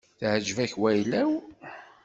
Teεǧeb-ak wayla-w?